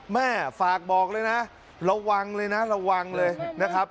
แม่ฝากบอกเลยนะระวังเลยนะระวังเลยนะครับ